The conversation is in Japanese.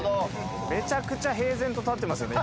めちゃくちゃ平然と立ってますよね